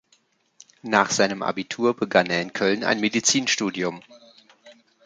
Nach seinem Abitur begann er in Köln ein Medizinstudium.